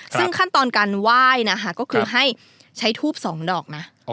ซึ่งขั้นตอนการไหว้นะคะก็คือให้ใช้ทูบ๒ดอกนะ